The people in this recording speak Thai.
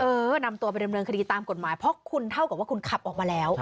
เออนำตัวไปดำเนินคดีตามกฎหมายเพราะคุณเท่ากับว่าคุณขับออกมาแล้ว